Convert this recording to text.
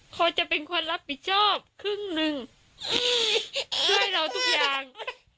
เขาจะเป็นคนรับผิดชอบครึ่งหนึ่งช่วยเราทุกอย่าง